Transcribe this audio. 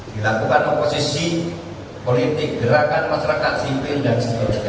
dilakukan oposisi politik gerakan masyarakat sipil dan sebagainya